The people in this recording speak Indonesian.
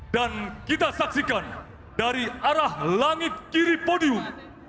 kita saksikan dari arah langit kiri podium